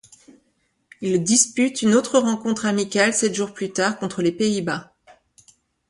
Il dispute une autre rencontre amicale sept jours plus tard contre les Pays-Bas.